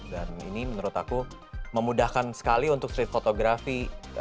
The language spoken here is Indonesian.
dan ini menurut aku memudahkan sekali untuk street photography